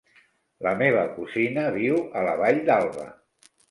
La meva cosina viu a la Vall d'Alba.